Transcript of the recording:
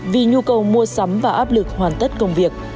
vì nhu cầu mua sắm và áp lực hoàn tất công việc